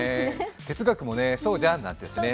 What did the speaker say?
「哲学もそうじゃん」なんて言ってね。